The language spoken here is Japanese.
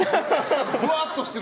ふわっとしている。